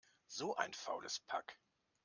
So ein faules Pack!